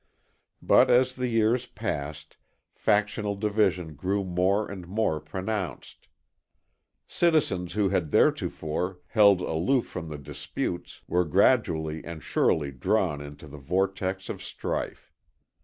But as the years passed factional division grew more and more pronounced. Citizens who had theretofore held aloof from the disputes, were gradually and surely drawn into the vortex of strife.